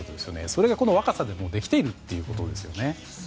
それがこの若さでもうできているということですね。